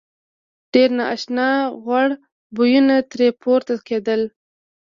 ډېر نا آشنا غوړ بویونه ترې پورته کېدل.